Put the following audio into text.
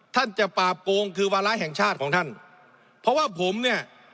ท่านจะปราบโกงคือวาระแห่งชาติของท่านเพราะว่าผมเนี่ย